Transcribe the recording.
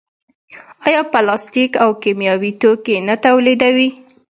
آیا پلاستیک او کیمیاوي توکي نه تولیدوي؟